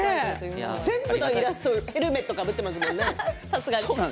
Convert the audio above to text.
全部のイラストヘルメットをかぶっていますね。